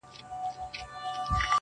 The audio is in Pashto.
کرۍ ورځ یم وږې تږې ګرځېدلې!.